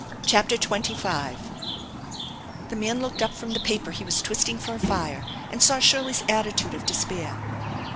CHAPTER XXV THE man looked up from the paper he was twisting for a fire and saw Shirley's attitude of despair.